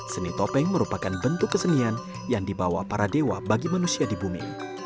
seni topeng merupakan bentuk kesenian yang dibawa para dewa bagi manusia di bumi